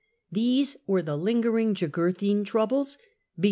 These were the lingering Jugurthine troubles [b.